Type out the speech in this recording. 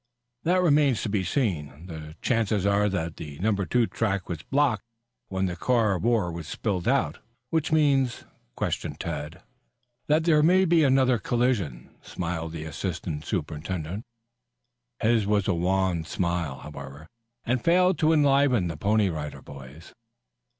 "That remains to be seen. The chances are that the number two track was blocked when the car of ore was spilled out." "Which means?" questioned Tad. "That there may be another collision," smiled the assistant superintendent. His was a wan smile, however, and failed to enliven the Pony Rider Boys.